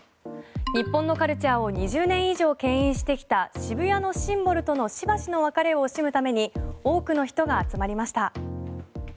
日本のカルチャーを２０年以上牽引してきた渋谷のシンボルとのしばしの別れを惜しむために多くの人が集まりました。